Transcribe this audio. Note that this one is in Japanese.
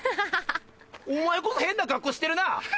お前こそ変な格好してるな。